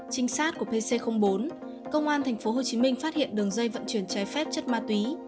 trinh sát của pc bốn công an tp hcm phát hiện đường dây vận chuyển trái phép chất ma túy